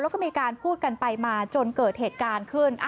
แล้วก็มีการพูดกันไปมาจนเกิดเหตุการณ์ขึ้น